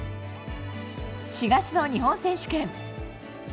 ４月の日本選手権。